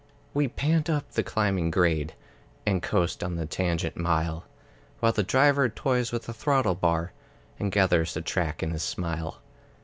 We pant up the climbing grade, And coast on the tangent mile, While the Driver toys with the throttle bar, And gathers the track in his smile.